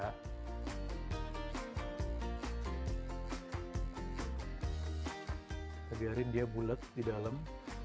kita biarin dia bulet di dalam